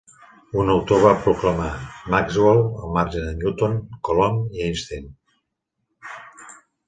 Un autor va proclamar: "Maxwell, al marge de Newton, Coulomb i Einstein".